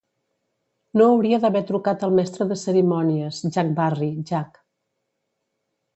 No hauria d'haver trucat el Mestre de Cerimònies, Jack Barry, Jack.